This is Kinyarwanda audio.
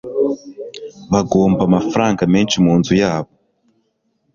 Bagomba amafaranga menshi munzu yabo.